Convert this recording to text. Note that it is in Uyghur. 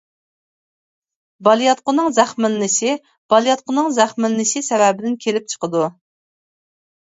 بالىياتقۇنىڭ زەخىملىنىشى بالىياتقۇنىڭ زەخىملىنىشى سەۋەبىدىن كېلىپ چىقىدۇ.